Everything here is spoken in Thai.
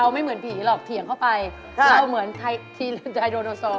เราไม่เหมือนพีหรอกเข้าไปเราเหมือนไทยทีลนจายโดโนซอล